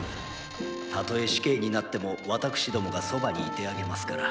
たとえ死刑になっても私どもが傍にいてあげますから。